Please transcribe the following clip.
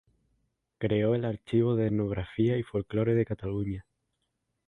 Creó el Archivo de Etnografía y Folklore de Cataluña.